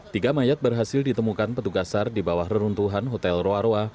tiga mayat berhasil ditemukan petugas sar di bawah reruntuhan hotel roa roa